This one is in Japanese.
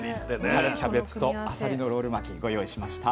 春キャベツとあさりのロール巻きご用意しました。